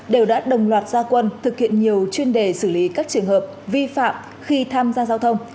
đều đã đồng loạt gia quân thực hiện nhiều chuyên đề xử lý các trường hợp vi phạm khi tham gia giao thông